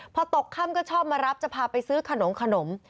พอตกค่ำก็ชอบมารับจะพาไปซื้อขนมขนม